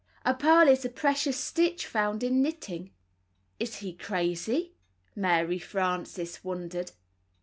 "A purl is a precious stitch found in knitting." "Is he crazy?" Mary Frances wondered.